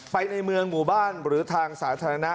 ในเมืองหมู่บ้านหรือทางสาธารณะ